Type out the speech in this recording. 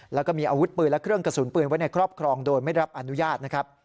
แล้วก็มีอาวุธปืนและเครื่องกระสุนปืนไว้ในครอบครองโดยไม่รับอนุญาตนะครับ